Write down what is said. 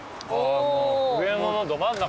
上野のど真ん中。